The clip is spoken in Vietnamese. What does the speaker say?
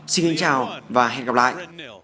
xin chào và hẹn gặp lại